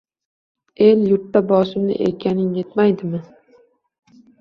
El-yurtda boshimni egganing yetmaydimi?